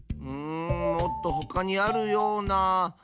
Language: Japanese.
んもっとほかにあるような。